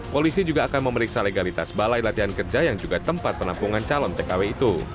polisi juga akan memeriksa legalitas balai latihan kerja yang juga tempat penampungan calon tkw itu